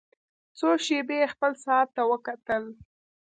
څو شېبې يې خپل ساعت ته وکتل.